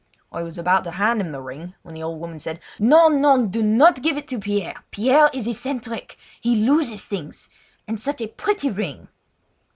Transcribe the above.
I was about to hand the ring when the old woman said: "No! no, do not give it to Pierre! Pierre is eccentric. He loses things; and such a pretty ring!"